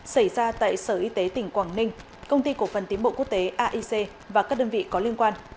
xảy ra tại sở y tế tỉnh quảng ninh công ty cổ phần tiếm bộ quốc tế aic và các đơn vị có liên quan